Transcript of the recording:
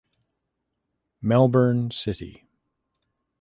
Melbourne City